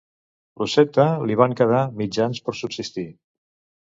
Lucetta li van quedar mitjans per subsistir.